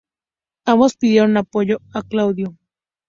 Ambos pidieron apoyo a Claudio.